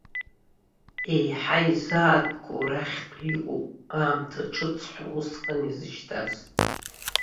Еиҳа изаатәқәоу рахьтә иҟоуп, аамҭа ҿыц ҳәа усҟан изышьҭаз.